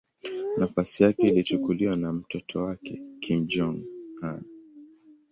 Nafasi yake ilichukuliwa na mtoto wake Kim Jong-un.